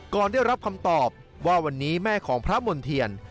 ได้รับคำตอบว่าวันนี้แม่ของพระมณ์เทียน